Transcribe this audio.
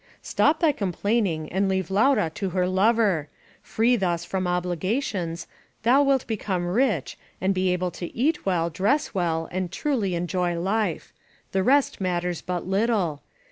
"Stop thy complaining and leave Laura to bier lover. Free thus from obligations, thou wilt become rich, and be able to eat well, dress well, and truly enjoy life. The rest matters but little.